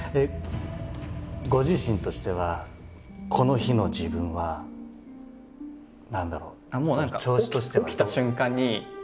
ご自身としてはこの日の自分は何だろう調子としては？